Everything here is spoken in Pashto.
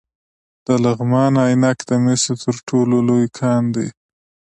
د لغمان عينک د مسو تر ټولو لوی کان دی